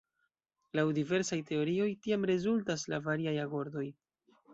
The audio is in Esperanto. Laŭ diversaj teorioj tiam rezultas la variaj agordoj.